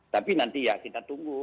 tapi nanti ya kita tunggu